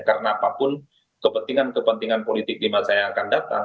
karena apapun kepentingan kepentingan politik di masa yang akan datang